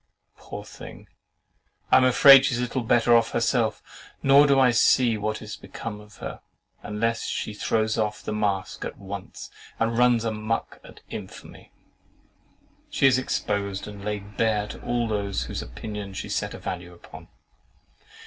Poor thing! I am afraid she is little better off herself; nor do I see what is to become of her, unless she throws off the mask at once, and RUNS A MUCK at infamy. She is exposed and laid bare to all those whose opinion she set a value upon.